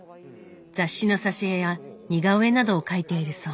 雑誌の挿絵や似顔絵などを描いているそう。